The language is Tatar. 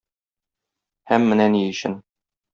Һәм менә ни өчен.